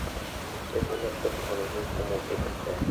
Estos actos son conocidos como "extras".